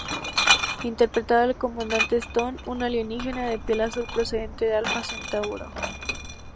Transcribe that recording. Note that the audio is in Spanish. Interpretaba al Comandante Stone, un alienígena de piel azul procedente de Alfa Centauro.